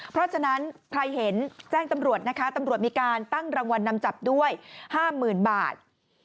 เพราะฉะนั้นใครเห็นแจ้งตำรวจนะคะตำรวจมีการตั้งรางวัลนำจับด้วย๕๐๐๐บาท